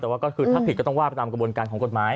แต่ว่าก็คือถ้าผิดก็ต้องว่าไปตามกระบวนการของกฎหมาย